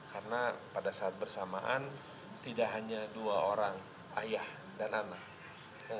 karena pada saat bersamaan tidak hanya dua orang ayah dan anak